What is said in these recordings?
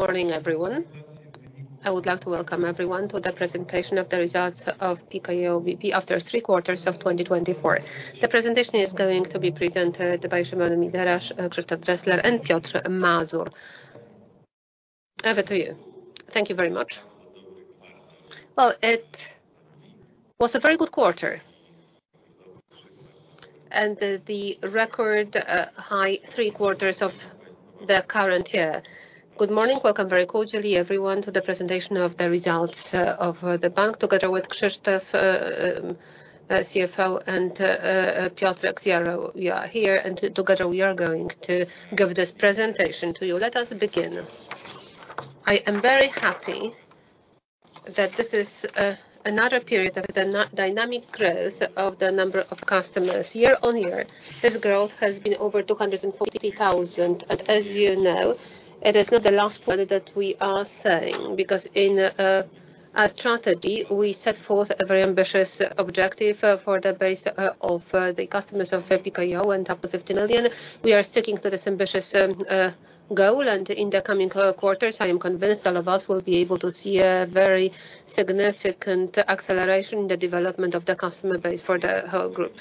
Morning, everyone. I would like to welcome everyone to the presentation of The Results of PKO BP After Three Quarters of 2024. The presentation is going to be presented by Szymon Midera, Krzysztof Dresler, and Piotr Mazur. Over to you. Thank you very much. Well, it was a very good quarter, and the record high three quarters of the current year. Good morning. Welcome very cordially, everyone, to the presentation of the results of the bank together with Krzysztof, CFO, and Piotr, CRO, here, and together, we are going to give this presentation to you. Let us begin. I am very happy that this is another period of the dynamic growth of the number of customers year on year. This growth has been over 240,000. And as you know, it is not the last one that we are saying because in our strategy, we set forth a very ambitious objective for the base of the customers of PKO and up to 15 million. We are sticking to this ambitious goal. And in the coming quarters, I am convinced all of us will be able to see a very significant acceleration in the development of the customer base for the whole group.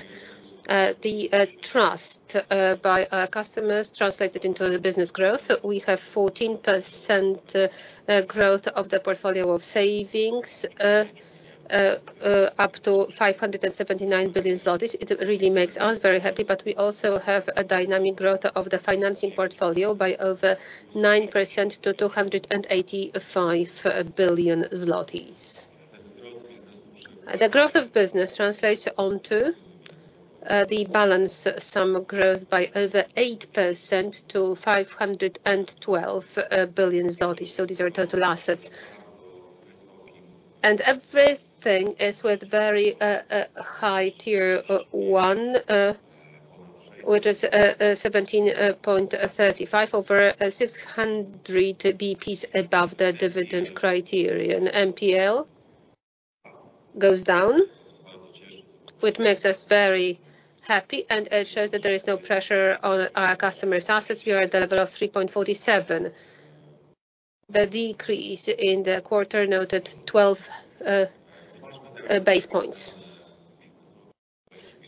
The trust by our customers translated into the business growth. We have 14% growth of the portfolio of savings up to 579 billion zlotys. It really makes us very happy. But we also have a dynamic growth of the financing portfolio by over 9% to 285 billion zlotys. The growth of business translates onto the balance sum growth by over 8% to 512 billion zloty. So these are total assets. Everything is with very high Tier I, which is 17.35, over 600 basis points above the dividend criterion. NPL goes down, which makes us very happy. It shows that there is no pressure on our customers' assets. We are at the level of 3.47. The decrease in the quarter noted 12 basis points.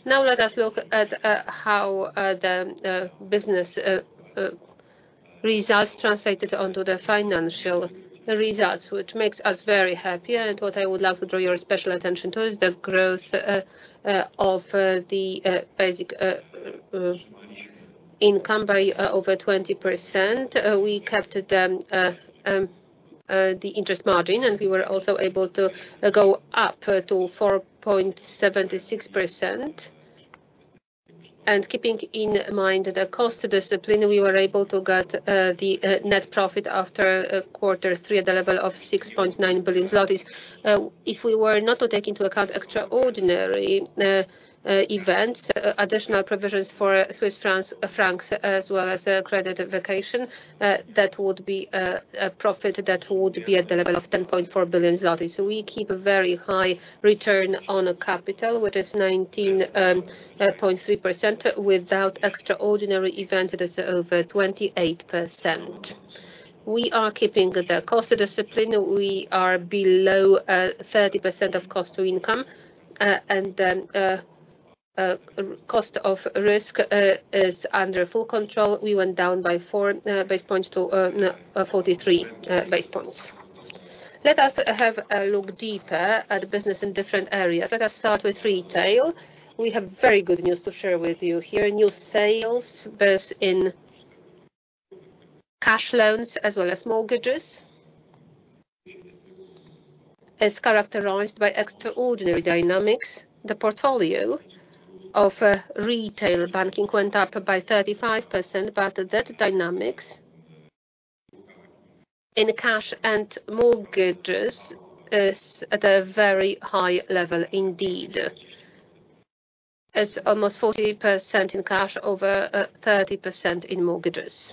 Now, let us look at how the business results translated onto the financial results, which makes us very happy. What I would like to draw your special attention to is the growth of the basic income by over 20%. We kept the interest margin, and we were also able to go up to 4.76%. Keeping in mind the cost discipline, we were able to get the net profit after quarter three at the level of 6.9 billion zlotys. If we were not to take into account extraordinary events, additional provisions for Swiss francs as well as credit vacation, that would be a profit that would be at the level of 10.4 billion zloty. We keep a very high return on capital, which is 19.3% without extraordinary events, that is over 28%. We are keeping the cost discipline. We are below 30% of cost to income, and the cost of risk is under full control. We went down by four basis points to 43 basis points. Let us have a look deeper at business in different areas. Let us start with retail. We have very good news to share with you here. New sales, both in cash loans as well as mortgages, is characterized by extraordinary dynamics. The portfolio of retail banking went up by 35%, but that dynamic in cash and mortgages is at a very high level indeed. It's almost 40% in cash, over 30% in mortgages,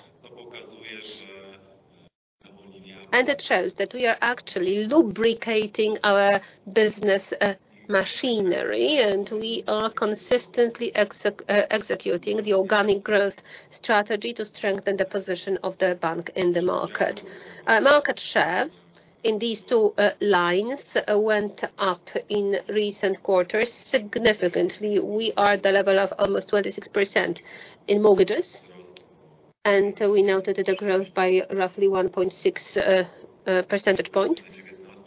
and it shows that we are actually lubricating our business machinery, and we are consistently executing the organic growth strategy to strengthen the position of the bank in the market. Our market share in these two lines went up in recent quarters significantly. We are at the level of almost 26% in mortgages, and we noted the growth by roughly 1.6 percentage points,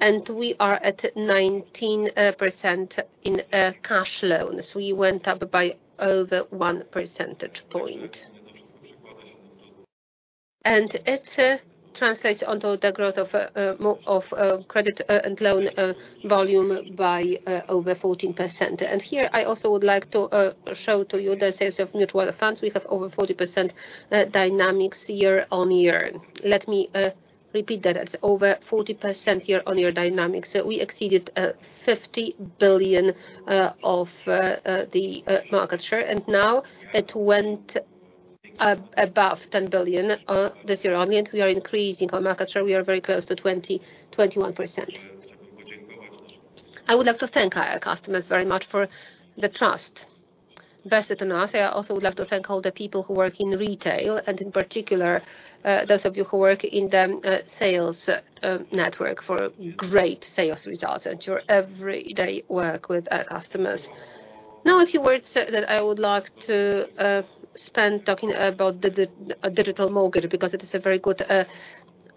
and we are at 19% in cash loans. We went up by over one percentage point, and it translates onto the growth of credit and loan volume by over 14%, and here, I also would like to show to you the sales of mutual funds. We have over 40% dynamics year on year. Let me repeat that. It's over 40% year on year dynamics. We exceeded 50 billion of the market share, and now it went above 10 billion this year only. And we are increasing our market share. We are very close to 21%. I would like to thank our customers very much for the trust. Best of the night. I also would love to thank all the people who work in retail, and in particular, those of you who work in the sales network for great sales results and your everyday work with our customers. Now, a few words that I would like to spend talking about Digital Mortgage because it is a very good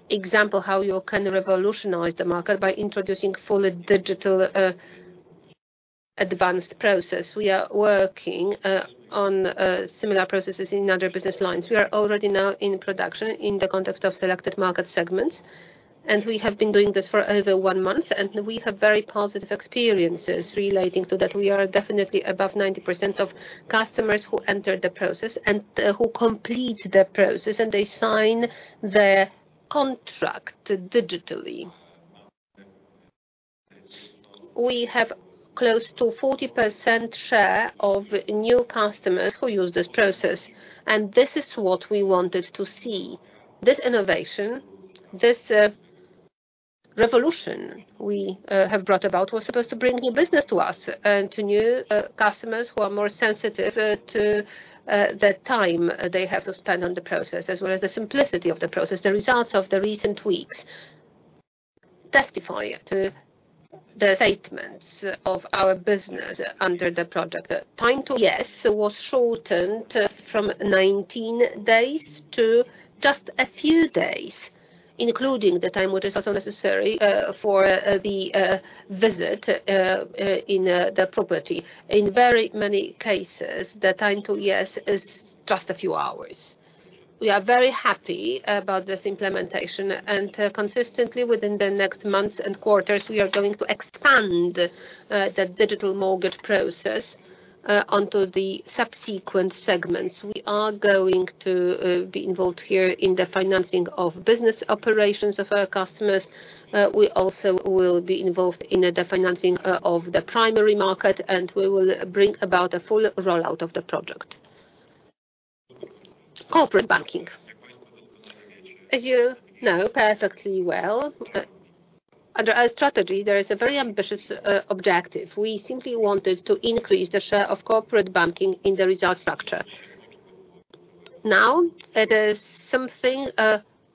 example of how you can revolutionize the market by introducing fully digital advanced process. We are working on similar processes in other business lines. We are already now in production in the context of selected market segments, and we have been doing this for over one month, and we have very positive experiences relating to that. We are definitely above 90% of customers who enter the process and who complete the process, and they sign the contract digitally. We have close to 40% share of new customers who use this process, and this is what we wanted to see. This innovation, this revolution we have brought about was supposed to bring new business to us and to new customers who are more sensitive to the time they have to spend on the process, as well as the simplicity of the process. The results of the recent weeks testify to the statements of our business under the project. Time to guests was shortened from 19 days to just a few days, including the time which is also necessary for the visit in the property. In very many cases, the time to guest is just a few hours. We are very happy about this implementation, and consistently, within the next months and quarters, we are going to expand the Digital Mortgage process onto the subsequent segments. We are going to be involved here in the financing of business operations of our customers. We also will be involved in the financing of the primary market, and we will bring about a full rollout of the project. Corporate banking. As you know perfectly well, under our strategy, there is a very ambitious objective. We simply wanted to increase the share of corporate banking in the result structure. Now, it is something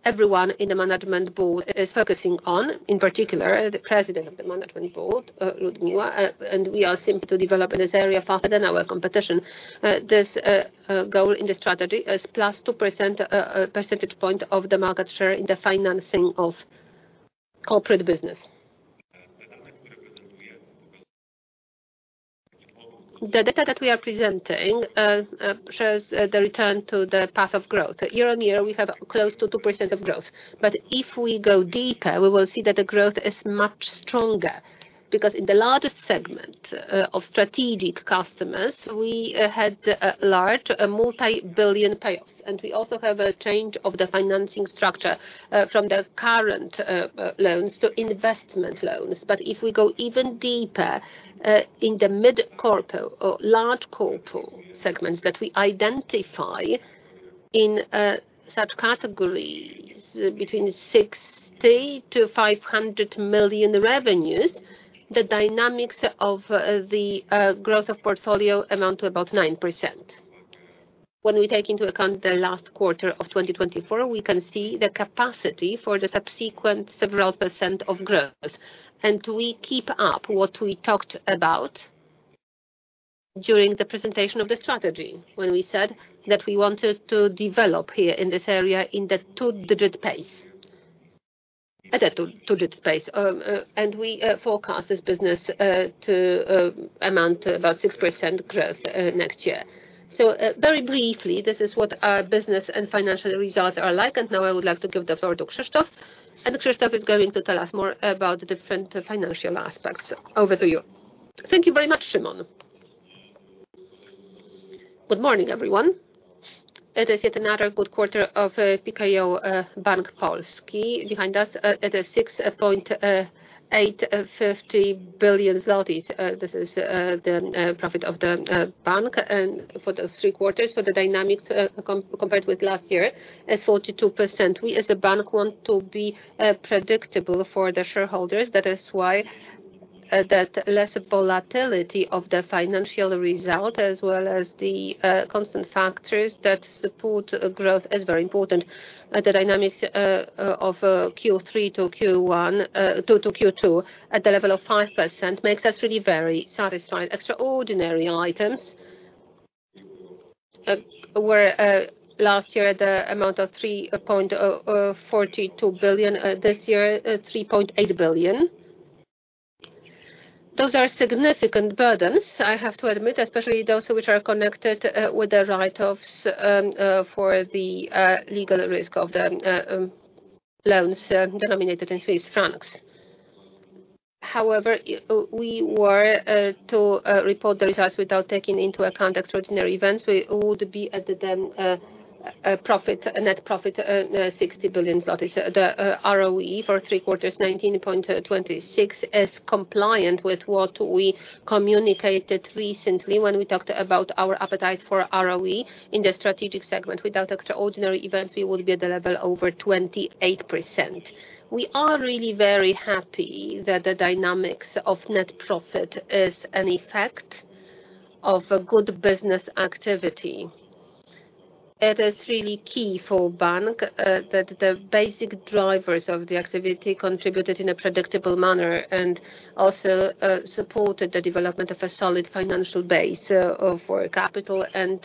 everyone in the Management Board is focusing on, in particular, the Vice President of the Management Board, Ludmiła. We are simply to develop in this area faster than our competition. This goal in the strategy is plus 2% percentage point of the market share in the financing of corporate business. The data that we are presenting shows the return to the path of growth. Year on year, we have close to 2% of growth. If we go deeper, we will see that the growth is much stronger because in the largest segment of strategic customers, we had large, multi-billion payoffs. We also have a change of the financing structure from the current loans to investment loans. But if we go even deeper in the mid-corpo, large-corpo segments that we identify in such categories between 60-500 million revenues, the dynamics of the growth of portfolio amount to about 9%. When we take into account the last quarter of 2024, we can see the capacity for the subsequent several percent of growth. And we keep up what we talked about during the presentation of the strategy when we said that we wanted to develop here in this area in the two-digit pace, at a two-digit pace. And we forecast this business to amount to about 6% growth next year. So very briefly, this is what our business and financial results are like. And now I would like to give the floor to Krzysztof. And Krzysztof is going to tell us more about the different financial aspects. Over to you. Thank you very much, Szymon. Good morning, everyone. It is yet another good quarter of PKO Bank Polski behind us. It is 6.850 billion zlotys. This is the profit of the bank for those three quarters. So the dynamics compared with last year is 42%. We, as a bank, want to be predictable for the shareholders. That is why that less volatility of the financial result, as well as the constant factors that support growth, is very important. The dynamics of Q3 to Q2 at the level of 5% makes us really very satisfied. Extraordinary items were last year at the amount of 3.42 billion. This year, 3.8 billion. Those are significant burdens, I have to admit, especially those which are connected with the write-offs for the legal risk of the loans denominated in Swiss francs. However, we were to report the results without taking into account extraordinary events. We would be at the net profit 60 billion. The ROE for three quarters, 19.26%, is compliant with what we communicated recently when we talked about our appetite for ROE in the strategic segment. Without extraordinary events, we would be at the level over 28%. We are really very happy that the dynamics of net profit is an effect of good business activity. It is really key for bank that the basic drivers of the activity contributed in a predictable manner and also supported the development of a solid financial base for capital and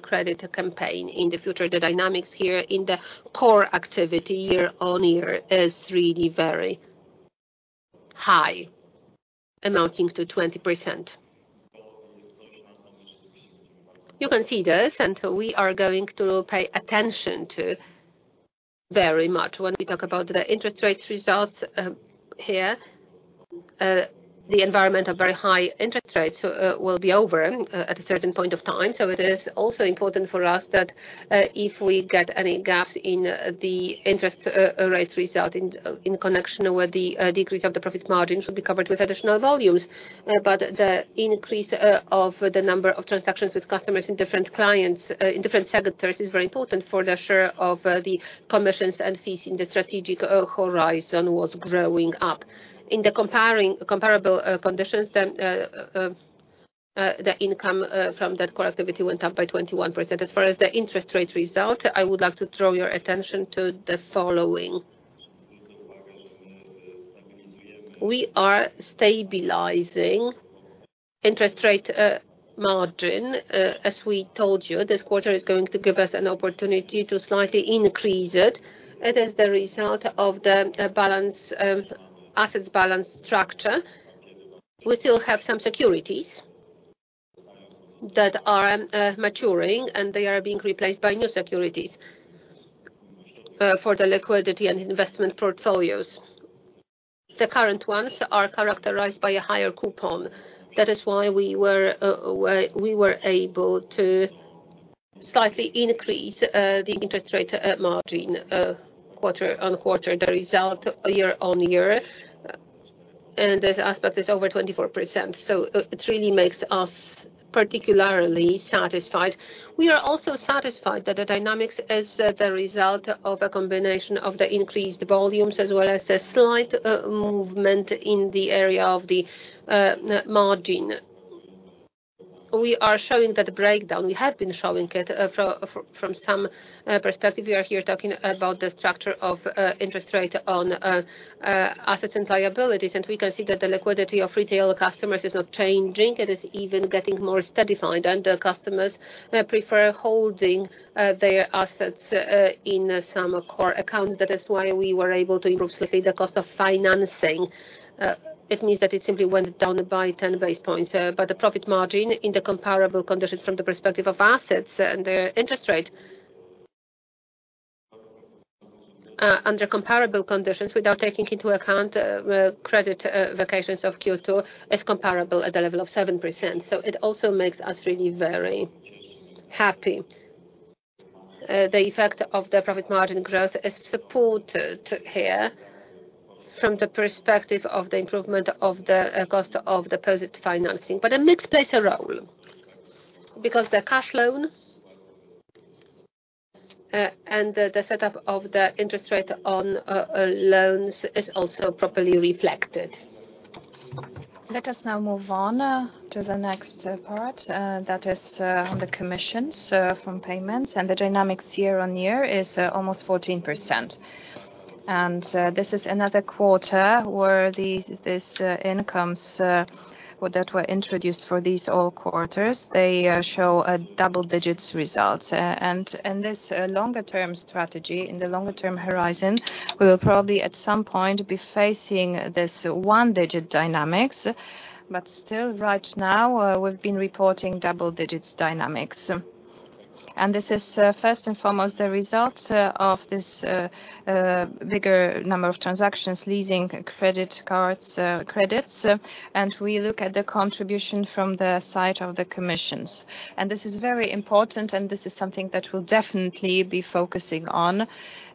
credit campaign in the future. The dynamics here in the core activity year on year is really very high, amounting to 20%. You can see this, and we are going to pay attention to very much when we talk about the interest rates results here. The environment of very high interest rates will be over at a certain point of time, so it is also important for us that if we get any gaps in the interest rate result in connection with the decrease of the profit margin, it should be covered with additional volumes, but the increase of the number of transactions with customers in different clients in different sectors is very important for the share of the commissions and fees in the strategic horizon was growing up. In the comparable conditions, the income from that core activity went up by 21%. As far as the interest rate result, I would like to draw your attention to the following. We are stabilizing interest rate margin. As we told you, this quarter is going to give us an opportunity to slightly increase it. It is the result of the assets balance structure. We still have some securities that are maturing, and they are being replaced by new securities for the liquidity and investment portfolios. The current ones are characterized by a higher coupon. That is why we were able to slightly increase the interest rate margin quarter on quarter, the result year on year, and this aspect is over 24%, so it really makes us particularly satisfied. We are also satisfied that the dynamics is the result of a combination of the increased volumes as well as the slight movement in the area of the margin. We are showing that breakdown. We have been showing it from some perspective. We are here talking about the structure of interest rate on assets and liabilities, and we can see that the liquidity of retail customers is not changing. It is even getting more stabilized, and the customers prefer holding their assets in some core accounts. That is why we were able to improve slightly the cost of financing. It means that it simply went down by 10 basis points. But the profit margin in the comparable conditions from the perspective of assets and the interest rate under comparable conditions without taking into account credit vacations of Q2 is comparable at the level of 7%. So it also makes us really very happy. The effect of the profit margin growth is supported here from the perspective of the improvement of the cost of deposit financing. But a mix plays a role because the cash loan and the setup of the interest rate on loans is also properly reflected. Let us now move on to the next part. That is on the commissions from payments. The dynamics year on year is almost 14%. This is another quarter where these incomes that were introduced for these all quarters, they show a double-digit result. In this longer-term strategy, in the longer-term horizon, we will probably at some point be facing this one-digit dynamics. Still, right now, we've been reporting double-digit dynamics. This is first and foremost the result of this bigger number of transactions leasing credit cards, credits. We look at the contribution from the side of the commissions. This is very important, and this is something that we'll definitely be focusing on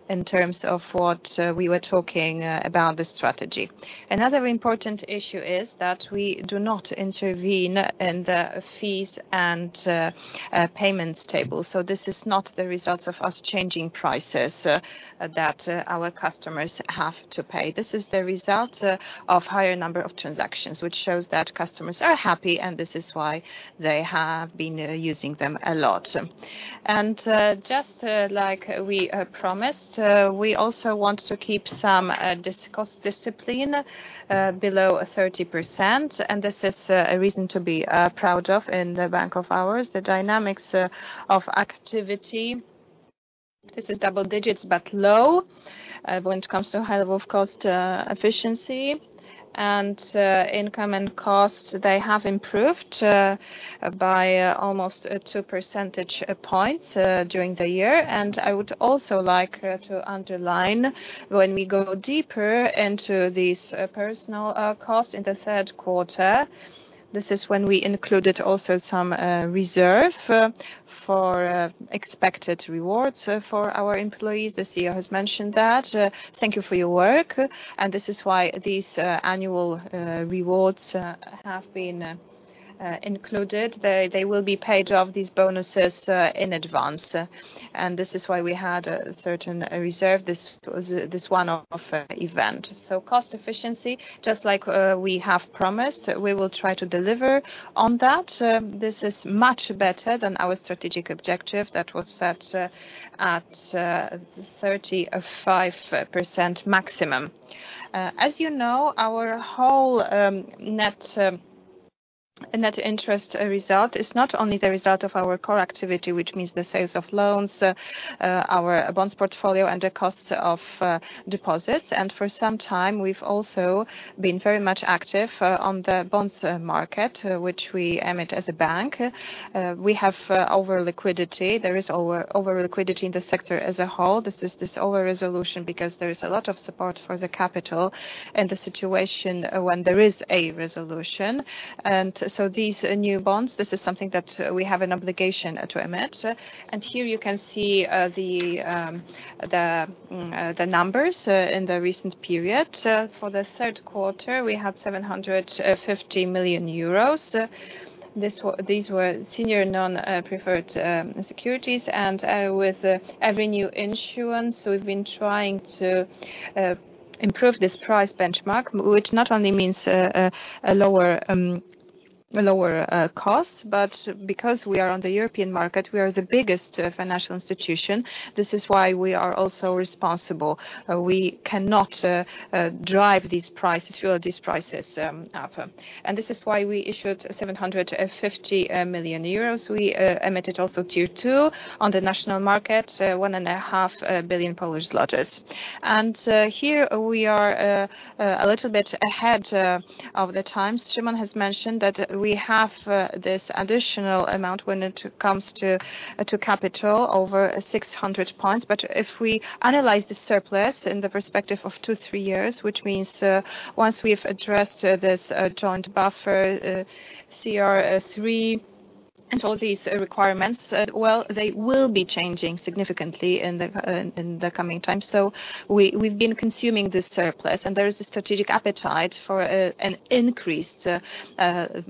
in terms of what we were talking about the strategy. Another important issue is that we do not intervene in the fees and payments table. This is not the result of us changing prices that our customers have to pay. This is the result of a higher number of transactions, which shows that customers are happy, and this is why they have been using them a lot. And just like we promised, we also want to keep some cost discipline below 30%. And this is a reason to be proud of in the bank of ours. The dynamics of activity, this is double digits but low when it comes to high-level cost efficiency. And income and costs, they have improved by almost two percentage points during the year. And I would also like to underline when we go deeper into these personal costs in the third quarter, this is when we included also some reserve for expected rewards for our employees. The CEO has mentioned that. Thank you for your work. And this is why these annual rewards have been included. They will be paid off, these bonuses in advance. This is why we had a certain reserve. This one-off event. Cost efficiency, just like we have promised, we will try to deliver on that. This is much better than our strategic objective that was set at 35% maximum. As you know, our whole net interest result is not only the result of our core activity, which means the sales of loans, our bonds portfolio, and the cost of deposits. For some time, we've also been very much active on the bonds market, which we emit as a bank. We have over liquidity. There is over liquidity in the sector as a whole. This is this over resolution because there is a lot of support for the capital in the situation when there is a resolution. These new bonds, this is something that we have an obligation to emit. Here you can see the numbers in the recent period. For the third quarter, we had 750 million euros. These were senior non-preferred securities. With every new issuance, we've been trying to improve this price benchmark, which not only means a lower cost, but because we are on the European market, we are the biggest financial institution. This is why we are also responsible. We cannot drive these prices, fuel these prices up. This is why we issued 750 million euros. We emitted also Tier 2 on the national market, 1.5 billion. Here we are a little bit ahead of the times. Szymon has mentioned that we have this additional amount when it comes to capital over 600 points. But if we analyze the surplus in the perspective of two, three years, which means once we've addressed this joint buffer, CRR III, and all these requirements, well, they will be changing significantly in the coming time. So we've been consuming this surplus. And there is a strategic appetite for an increased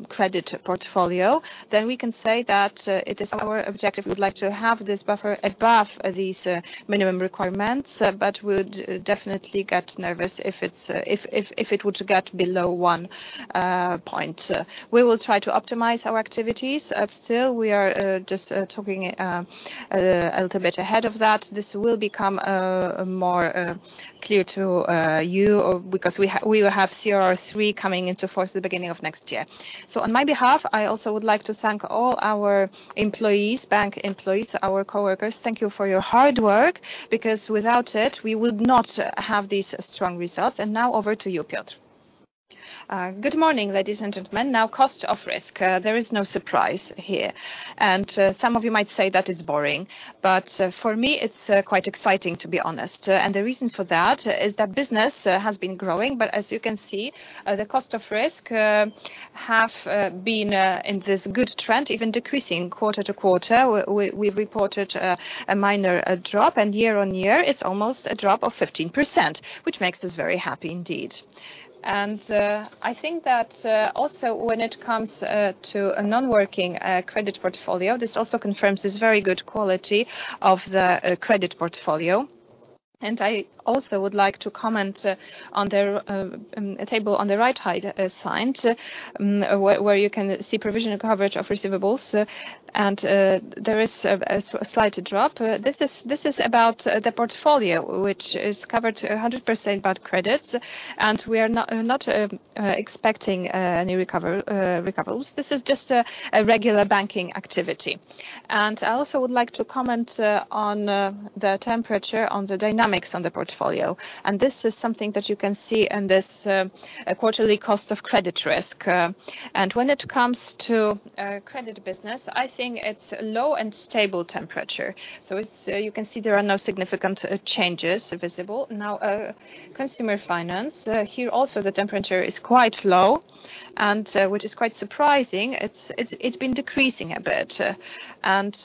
credit portfolio. Then we can say that it is our objective. We would like to have this buffer above these minimum requirements, but we would definitely get nervous if it would get below one point. We will try to optimize our activities. Still, we are just talking a little bit ahead of that. This will become more clear to you because we will have CRR III coming into force at the beginning of next year. So on my behalf, I also would like to thank all our employees, bank employees, our coworkers. Thank you for your hard work because without it, we would not have these strong results. And now over to you, Piotr. Good morning, ladies and gentlemen. Now, cost of risk. There is no surprise here. And some of you might say that it's boring. But for me, it's quite exciting, to be honest. And the reason for that is that business has been growing. But as you can see, the cost of risk have been in this good trend, even decreasing quarter to quarter. We've reported a minor drop. And year on year, it's almost a drop of 15%, which makes us very happy indeed. And I think that also when it comes to a non-performing credit portfolio, this also confirms this very good quality of the credit portfolio. And I also would like to comment on the table on the right-hand side, where you can see provisional coverage of receivables. And there is a slight drop. This is about the portfolio, which is covered 100% by credits. And we are not expecting any recoveries. This is just a regular banking activity. And I also would like to comment on the temperature, on the dynamics on the portfolio. And this is something that you can see in this quarterly cost of credit risk. And when it comes to credit business, I think it's low and stable temperature. So you can see there are no significant changes visible. Now, consumer finance, here also the temperature is quite low, which is quite surprising. It's been decreasing a bit. And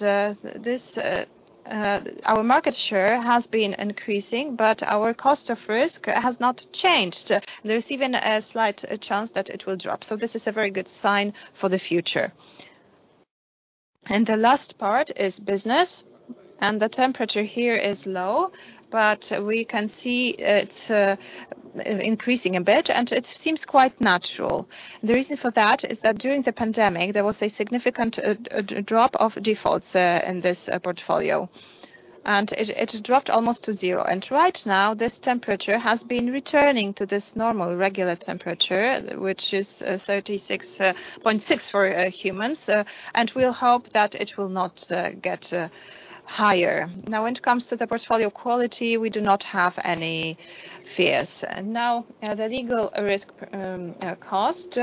our market share has been increasing, but our cost of risk has not changed. There is even a slight chance that it will drop. So this is a very good sign for the future. And the last part is business. And the temperature here is low, but we can see it's increasing a bit. And it seems quite natural. The reason for that is that during the pandemic, there was a significant drop of defaults in this portfolio. And it dropped almost to zero. And right now, this temperature has been returning to this normal regular temperature, which is 36.6 for humans. And we'll hope that it will not get higher. Now, when it comes to the portfolio quality, we do not have any fears. Now, the legal risk cost,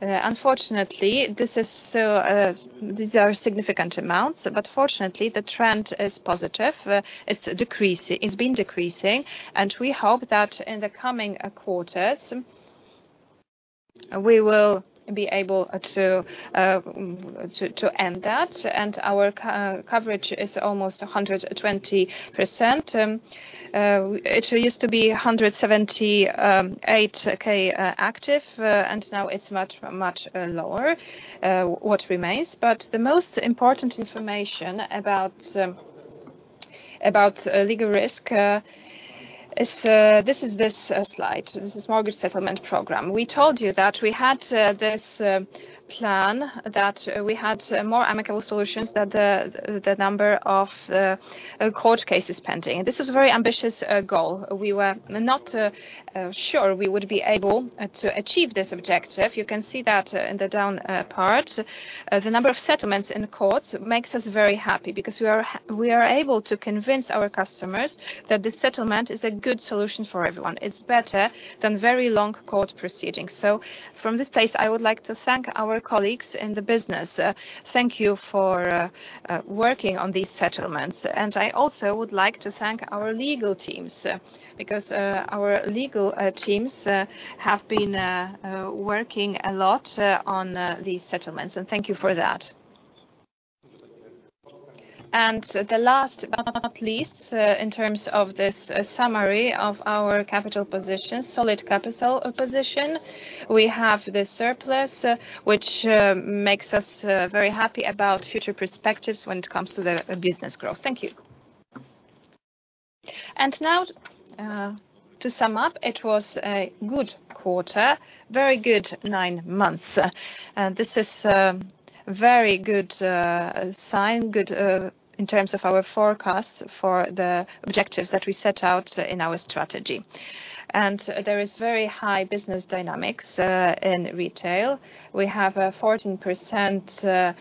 unfortunately, these are significant amounts. But fortunately, the trend is positive. It's been decreasing. And we hope that in the coming quarters, we will be able to end that. And our coverage is almost 120%. It used to be 178K active, and now it's much, much lower what remains. But the most important information about legal risk, this is this slide. This is mortgage settlement program. We told you that we had this plan, that we had more amicable solutions, that the number of court cases pending. This is a very ambitious goal. We were not sure we would be able to achieve this objective. You can see that in the down part. The number of settlements in courts makes us very happy because we are able to convince our customers that this settlement is a good solution for everyone. It's better than very long court proceedings. So from this place, I would like to thank our colleagues in the business. Thank you for working on these settlements. I also would like to thank our legal teams because our legal teams have been working a lot on these settlements. And thank you for that. And the last, but not least, in terms of this summary of our capital position, solid capital position, we have the surplus, which makes us very happy about future perspectives when it comes to the business growth. Thank you. And now, to sum up, it was a good quarter, very good nine months. And this is a very good sign, good in terms of our forecast for the objectives that we set out in our strategy. And there is very high business dynamics in retail. We have a 14%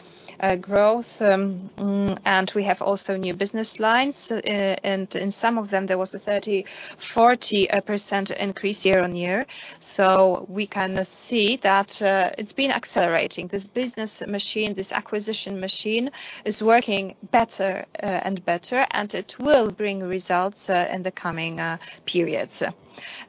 growth. And we have also new business lines. And in some of them, there was a 30%-40% increase year on year. So we can see that it's been accelerating. This business machine, this acquisition machine is working better and better. And it will bring results in the coming periods.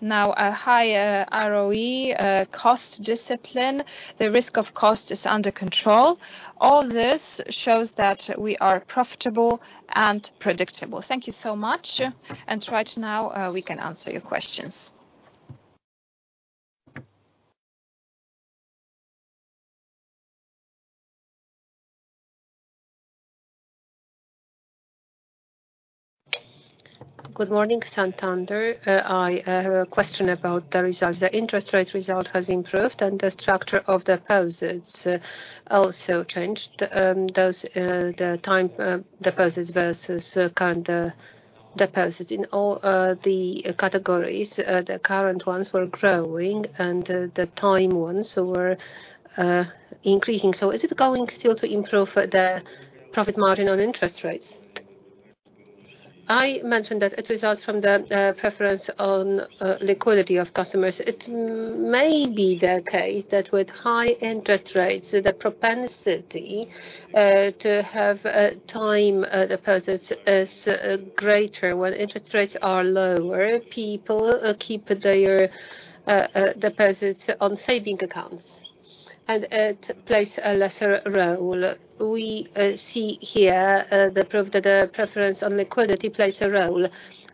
Now, a higher ROE, cost discipline, the risk of cost is under control. All this shows that we are profitable and predictable. Thank you so much. And right now, we can answer your questions. Good morning, Santander. I have a question about the results. The interest rate result has improved, and the structure of deposits also changed. The time deposits versus current deposits. In all the categories, the current ones were growing, and the time ones were increasing. So is it going still to improve the profit margin on interest rates? I mentioned that it results from the preference on liquidity of customers. It may be the case that with high interest rates, the propensity to have time deposits is greater. When interest rates are lower, people keep their deposits on savings accounts, and it plays a lesser role. We see here the proof that the preference on liquidity plays a role.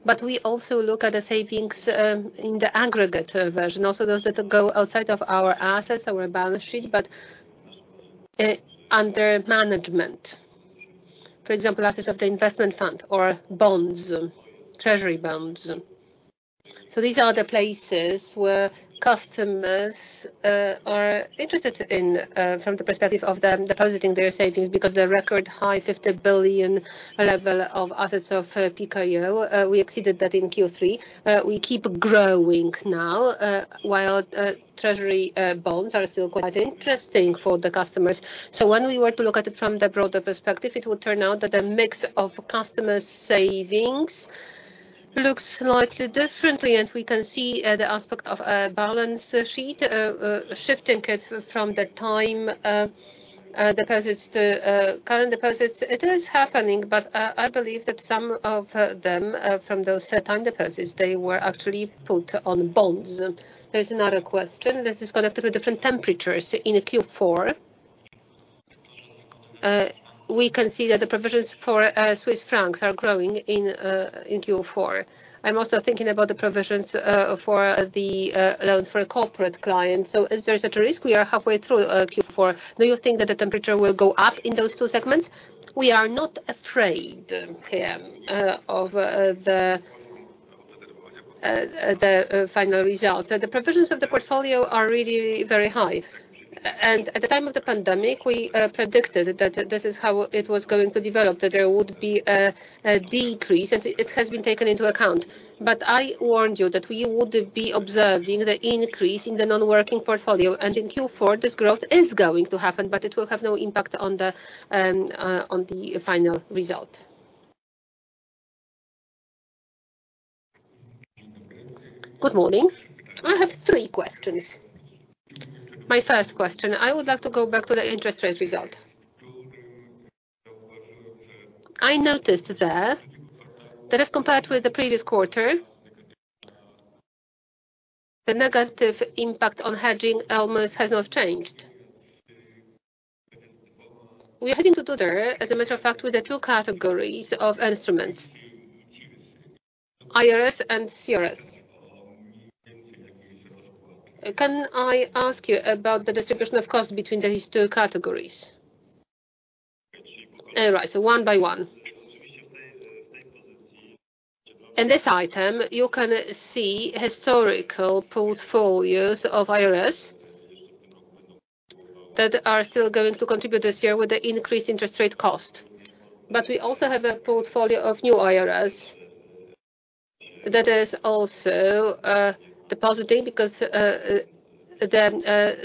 But we also look at the savings in the aggregate version, also those that go outside of our assets, our balance sheet, but under management. For example, assets of the investment fund or bonds, treasury bonds. So these are the places where customers are interested in from the perspective of depositing their savings because the record high 50 billion level of assets of PKO, we exceeded that in Q3. We keep growing now, while treasury bonds are still quite interesting for the customers. So when we were to look at it from the broader perspective, it would turn out that a mix of customer savings looks slightly differently. We can see the aspect of a balance sheet shifting from the time deposits to current deposits. It is happening, but I believe that some of them from those time deposits, they were actually put on bonds. There is another question. This is connected with different temperatures in Q4. We can see that the provisions for Swiss francs are growing in Q4. I'm also thinking about the provisions for the loans for corporate clients. If there's a risk, we are halfway through Q4. Do you think that the temperature will go up in those two segments? We are not afraid here of the final result. The provisions of the portfolio are really very high. At the time of the pandemic, we predicted that this is how it was going to develop, that there would be a decrease. It has been taken into account. But I warned you that we would be observing the increase in the non-performing portfolio. And in Q4, this growth is going to happen, but it will have no impact on the final result. Good morning. I have three questions. My first question, I would like to go back to the interest rate result. I noticed that as compared with the previous quarter, the negative impact on hedging almost has not changed. We are having to do there, as a matter of fact, with the two categories of instruments, IRS and CIRS. Can I ask you about the distribution of costs between these two categories? Right. So one by one. In this item, you can see historical portfolios of IRS that are still going to contribute this year with the increased interest rate cost. But we also have a portfolio of new IRS that is also depositing because the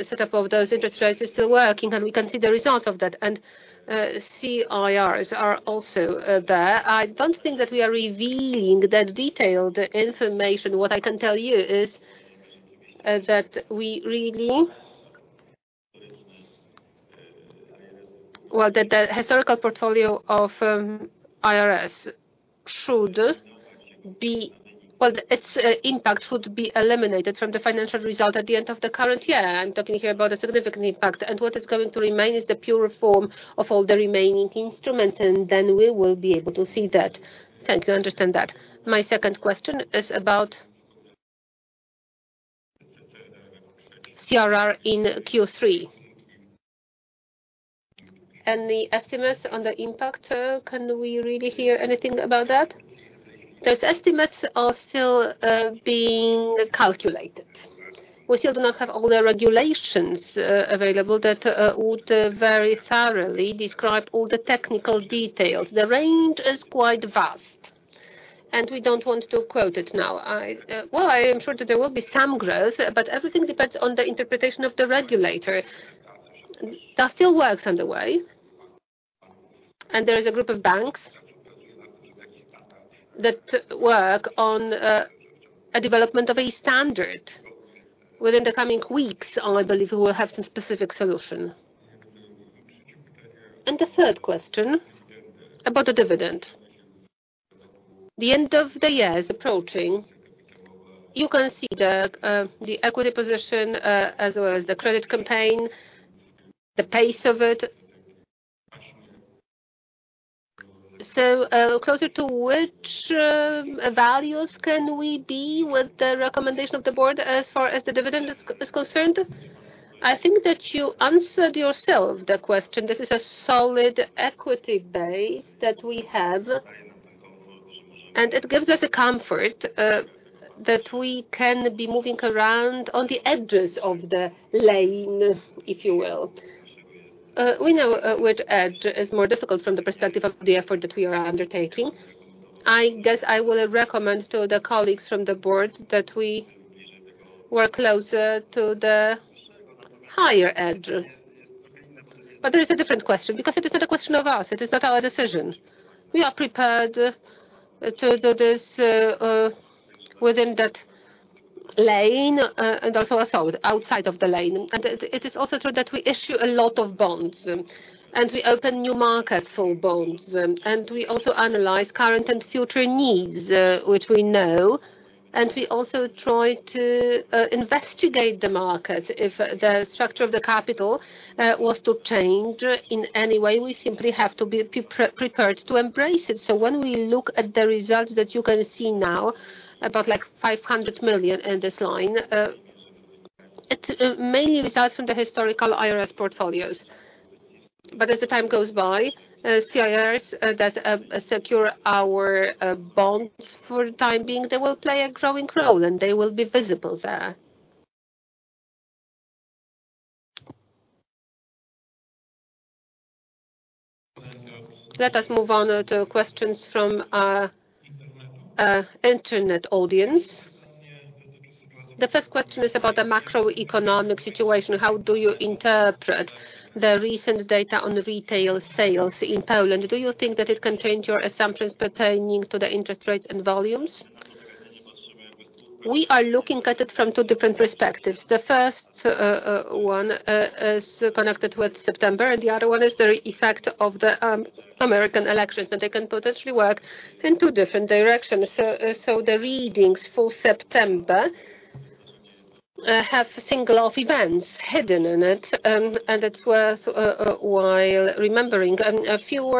setup of those interest rates is still working. And we can see the results of that. And CIRS are also there. I don't think that we are revealing that detailed information. What I can tell you is that we really, well, that the historical portfolio of IRS should be, well, its impact should be eliminated from the financial result at the end of the current year. I'm talking here about a significant impact. And what is going to remain is the pure form of all the remaining instruments. And then we will be able to see that. Thank you. I understand that. My second question is about CRR in Q3. And the estimates on the impact, can we really hear anything about that? Those estimates are still being calculated. We still do not have all the regulations available that would very thoroughly describe all the technical details. The range is quite vast, and we don't want to quote it now. I am sure that there will be some growth, but everything depends on the interpretation of the regulator. There are still works underway, and there is a group of banks that work on a development of a standard. Within the coming weeks, I believe we will have some specific solution. The third question about the dividend. The end of the year is approaching. You can see the equity position as well as the credit campaign, the pace of it. Closer to which values can we be with the recommendation of the board as far as the dividend is concerned? I think that you answered yourself the question. This is a solid equity base that we have. It gives us a comfort that we can be moving around on the edges of the lane, if you will. We know which edge is more difficult from the perspective of the effort that we are undertaking. I guess I will recommend to the colleagues from the board that we work closer to the higher edge. There is a different question because it is not a question of us. It is not our decision. We are prepared to do this within that lane and also outside of the lane. It is also true that we issue a lot of bonds. We open new markets for bonds. We also analyze current and future needs, which we know. We also try to investigate the market. If the structure of the capital was to change in any way, we simply have to be prepared to embrace it. When we look at the results that you can see now, about 500 million in this line, it mainly results from the historical IRS portfolios. But as the time goes by, CIRS that secure our bonds for the time being, they will play a growing role, and they will be visible there. Let us move on to questions from internet audience. The first question is about the macroeconomic situation. How do you interpret the recent data on retail sales in Poland? Do you think that it can change your assumptions pertaining to the interest rates and volumes? We are looking at it from two different perspectives. The first one is connected with September, and the other one is the effect of the American elections. They can potentially work in two different directions. The readings for September have a single of events hidden in it. It's worthwhile remembering a few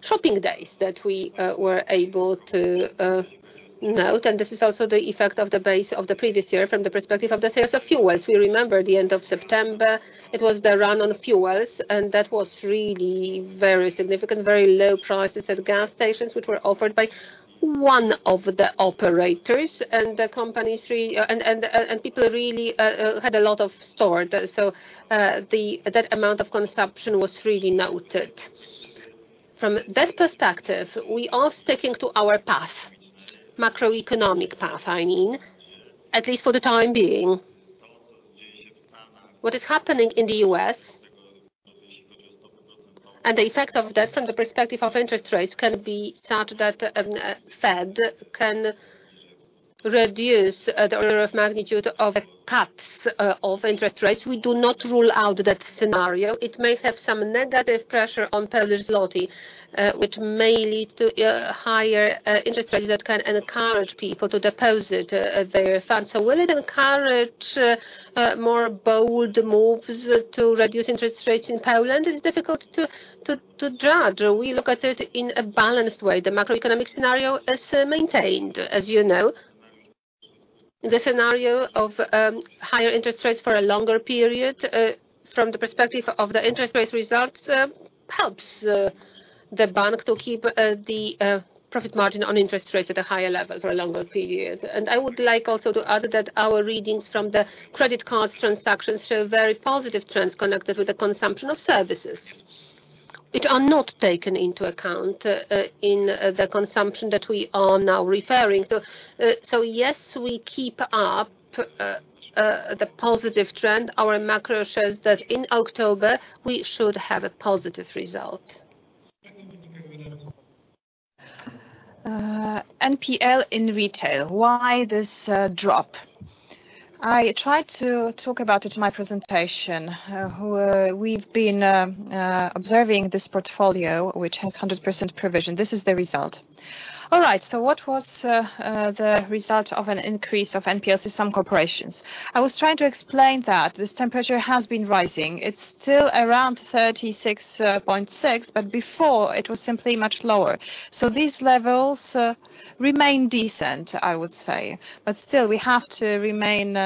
shopping days that we were able to note. This is also the effect of the base of the previous year from the perspective of the sales of fuels. We remember the end of September. It was the run on fuels, and that was really very significant, very low prices at gas stations, which were offered by one of the operators. The companies and people really had a lot of stored. That amount of consumption was really noted. From that perspective, we are sticking to our path, macroeconomic path, I mean, at least for the time being. What is happening in the U.S. and the effect of that from the perspective of interest rates can be such that the Fed can reduce the order of magnitude of the cuts of interest rates. We do not rule out that scenario. It may have some negative pressure on Polish Zloty, which may lead to higher interest rates that can encourage people to deposit their funds. So will it encourage more bold moves to reduce interest rates in Poland? It's difficult to judge. We look at it in a balanced way. The macroeconomic scenario is maintained, as you know. The scenario of higher interest rates for a longer period from the perspective of the interest rate results helps the bank to keep the profit margin on interest rates at a higher level for a longer period. And I would like also to add that our readings from the credit cards transactions show very positive trends connected with the consumption of services. It is not taken into account in the consumption that we are now referring to. So yes, we keep up the positive trend. Our macro shows that in October, we should have a positive result. NPL in retail, why this drop? I tried to talk about it in my presentation. We've been observing this portfolio, which has 100% provision. This is the result. All right. So what was the result of an increase of NPLs in some corporations? I was trying to explain that this temperature has been rising. It's still around 36.6, but before it was simply much lower. So these levels remain decent, I would say. But still, we have to remain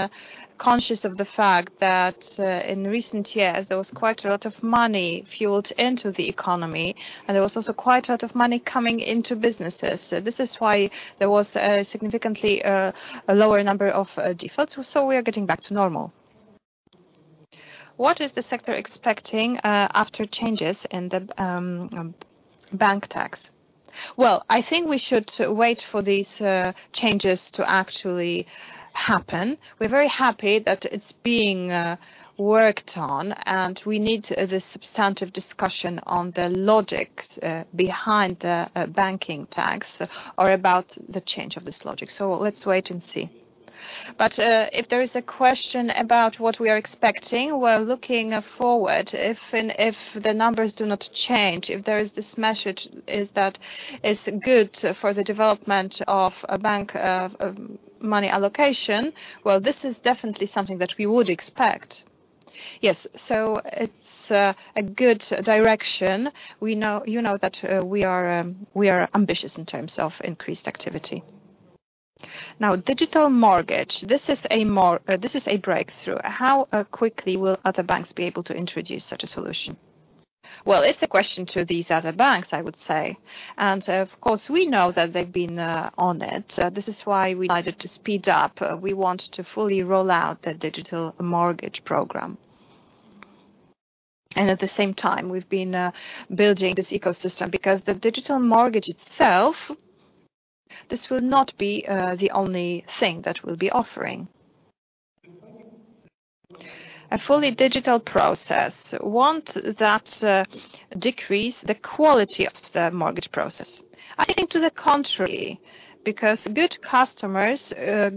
conscious of the fact that in recent years, there was quite a lot of money fueled into the economy, and there was also quite a lot of money coming into businesses. This is why there was a significantly lower number of defaults. So we are getting back to normal. What is the sector expecting after changes in the bank tax? Well, I think we should wait for these changes to actually happen. We're very happy that it's being worked on, and we need this substantive discussion on the logics behind the banking tax or about the change of this logic. So let's wait and see. But if there is a question about what we are expecting, we're looking forward. If the numbers do not change, if there is this message that is good for the development of bank money allocation, well, this is definitely something that we would expect. Yes. So it's a good direction. You know that we are ambitious in terms of increased activity. Now, Digital Mortgage, this is a breakthrough. How quickly will other banks be able to introduce such a solution? Well, it's a question to these other banks, I would say. Of course, we know that they've been on it. This is why we decided to speed up. We want to fully roll out the digital mortgage program. And at the same time, we've been building this ecosystem because the digital mortgage itself, this will not be the only thing that we'll be offering. A fully digital process won't decrease the quality of the mortgage process. I think to the contrary, because good customers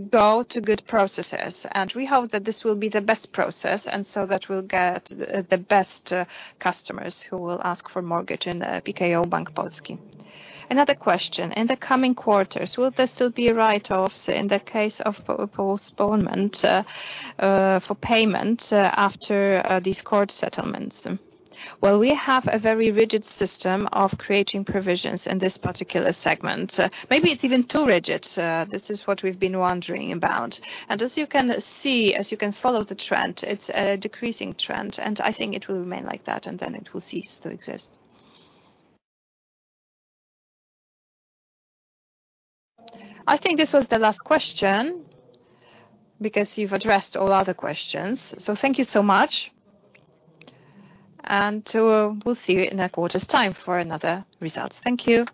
go to good processes. And we hope that this will be the best process, and so that we'll get the best customers who will ask for mortgage in PKO Bank Polski. Another question. In the coming quarters, will there still be a write-off in the case of postponement for payment after these court settlements? We have a very rigid system of creating provisions in this particular segment. Maybe it's even too rigid. This is what we've been wondering about. And as you can see, as you can follow the trend, it's a decreasing trend. And I think it will remain like that, and then it will cease to exist. I think this was the last question because you've addressed all other questions. So thank you so much. And we'll see you in a quarter's time for another result. Thank you.